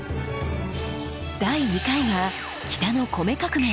第２回は北の米革命